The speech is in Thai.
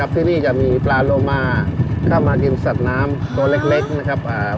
ที่นี่จะมีปลาโลมาเข้ามาริมสัตว์น้ำตัวเล็กนะครับ